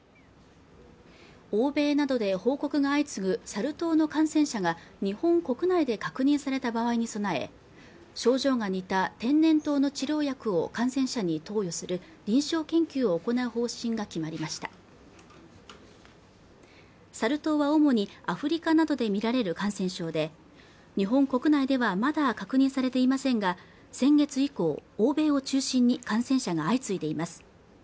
欧米などで報告が相次ぐサル痘の感染者が日本国内で確認された場合に備え症状が似た天然痘の治療薬を感染者に投与する臨床研究を行う方針が決まりましたサル痘は主にアフリカなどで見られる感染症で日本国内ではまだ確認されていませんが先月以降、欧米を中心に感染者が相次いでいます